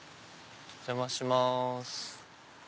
お邪魔します。